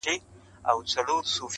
زه به د پنجاب د ړنګېدلو زېری درکمه!!